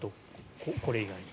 これ以外に。